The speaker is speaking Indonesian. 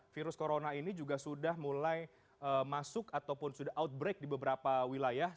virus corona ini juga sudah mulai masuk ataupun sudah outbreak di beberapa wilayah